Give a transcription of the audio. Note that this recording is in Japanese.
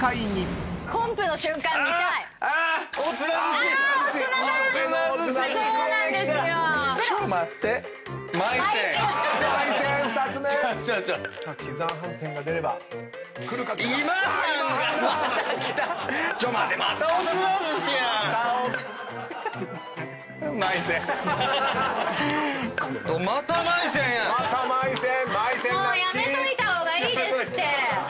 もうやめといた方がいいですって。